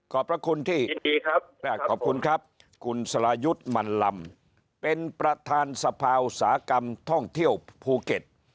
พระคุณที่ขอบคุณครับคุณสรายุทธ์มันลำเป็นประธานสภาอุตสาหกรรมท่องเที่ยวภูเก็ต